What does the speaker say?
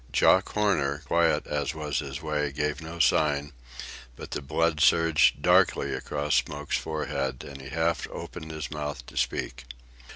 Jock Horner, quiet as was his way, gave no sign; but the blood surged darkly across Smoke's forehead, and he half opened his mouth to speak.